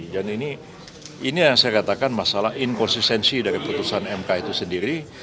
dan ini yang saya katakan masalah inkonsistensi dari putusan mk itu sendiri